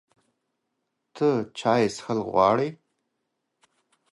ته چای څښل غواړې؟